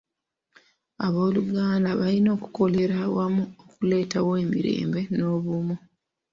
Abooluganda balina okukolera awamu okuleetawo emirembe n'obumu.